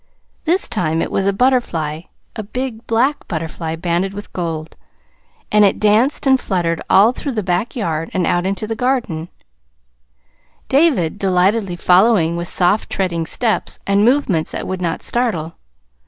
This time it was a butterfly, a big black butterfly banded with gold; and it danced and fluttered all through the back yard and out into the garden, David delightedly following with soft treading steps, and movements that would not startle.